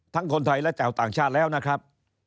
คนไทยและชาวต่างชาติแล้วนะครับ